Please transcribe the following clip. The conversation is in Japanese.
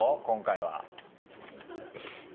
今回は。